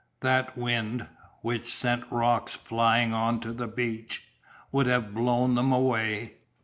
That wind, which sent rocks flying on to the beach, would have blown them away.